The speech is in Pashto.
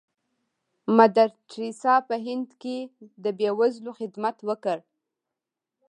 مدر ټریسا په هند کې د بې وزلو خدمت وکړ.